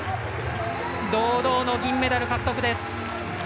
堂々の銀メダル獲得です。